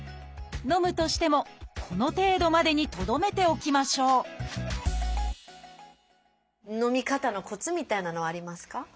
飲むとしてもこの程度までにとどめておきましょう飲み方のコツみたいなのはありますか？